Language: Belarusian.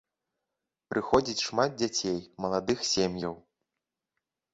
Прыходзіць шмат дзяцей, маладых сем'яў.